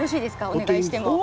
お願いしても。